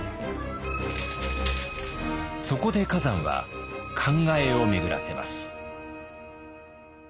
そこで崋山は考えを巡らせます。